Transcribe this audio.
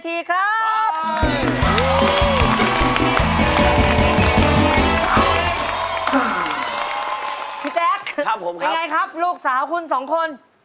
พี่แจ๊คเป็นอย่างไรครับลูกสาวคุณสองคนครับผมครับ